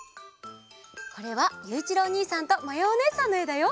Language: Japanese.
これはゆういちろうおにいさんとまやおねえさんのえだよ。